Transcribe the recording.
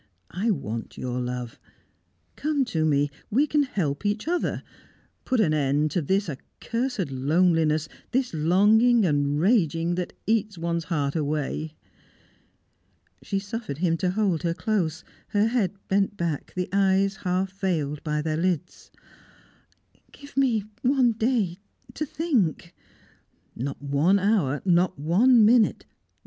I want your love. Come to me we can help each other put an end to this accursed loneliness, this longing and raging that eats one's heart away!" She suffered him to hold her close her head bent back, the eyes half veiled by their lids. "Give me one day to think " "Not one hour, not one minute!